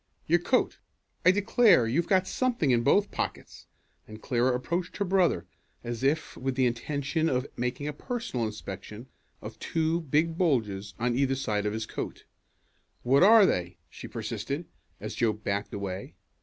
"Your coat. I declare, you've got something in both pockets," and Clara approached her brother as if with the intention of making a personal inspection of two big bulges on either side of his coat. "What are they?" she persisted, as Joe backed away.